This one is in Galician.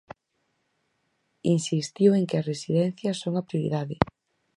Insistiu en que as residencias son a prioridade.